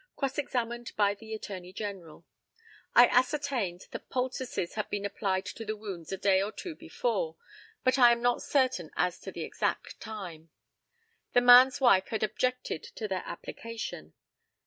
Cross examined by the ATTORNEY GENERAL. I ascertained that poultices had been applied to the wounds a day or two before, but I am not certain as to the exact time. The man's wife had objected to their application.